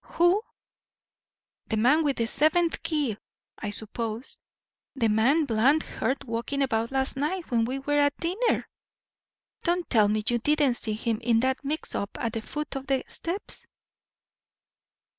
"Who?" "The man with the seventh key, I suppose. The man Bland heard walking about last night when we were at dinner. Don't tell me you didn't see him in that mix up at the foot of the steps?"